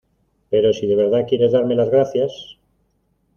pero si de verdad quieres darme las gracias